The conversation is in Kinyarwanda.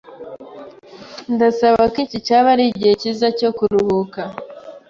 Ndasaba ko iki cyaba ari igihe cyiza cyo kuruhuka.